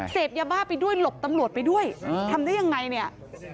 เสพยาบ้าไปด้วยหลบตำรวจไปด้วยทำได้ยังไงเนี่ย